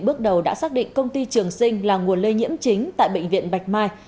bước đầu đã xác định công ty trường sinh là nguồn lây nhiễm chính tại bệnh viện bạch mai